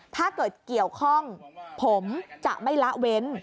ถ้าเกิดเกี่ยวข้องผมจะไม่ละเว้น